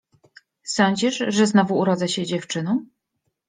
Sądzisz, że znowu urodzę się dziewczyną?